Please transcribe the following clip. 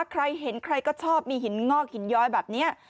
ใครเห็นใครก็ชอบมีหินงอกหินย้อยแบบนี้